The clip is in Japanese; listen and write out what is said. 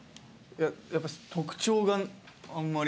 やっぱり特徴があんまり。